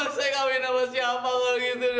terus saya kawin sama siapa lagi tuh dong